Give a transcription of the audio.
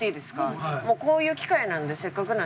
もうこういう機会なんでせっかくなんで。